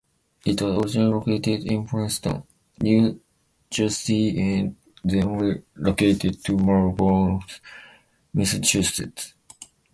It was originally located in Princeton, New Jersey and then re-located to Marlborough, Massachusetts.